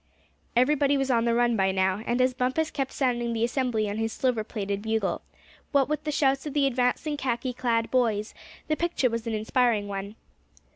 Everybody was on the run by now, and as Bumpus kept sounding the assembly on his silver plated bugle, what with the shouts of the advancing khaki clad boys, the picture was an inspiring one.